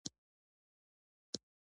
د کرمان د ساتنې لپاره راغلي وه.